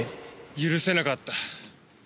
許せなかった。